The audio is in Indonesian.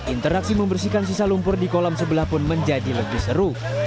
interaksi membersihkan sisa lumpur di kolam sebelah pun menjadi lebih seru